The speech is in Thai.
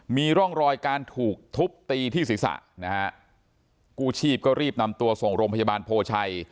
มีร่องรอยการถูกทุบตีที่ศีรษะนะฮะกู้ชีพก็รีบนำตัวส่งโรงพยาบาลโพชัย